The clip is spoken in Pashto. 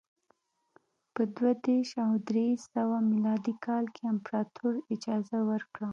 په دوه دېرش او درې سوه میلادي کال کې امپراتور اجازه ورکړه